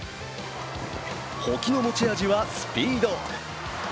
保木の持ち味はスピード。